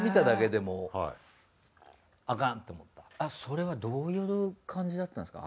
あとそれはどういう感じだったんですか？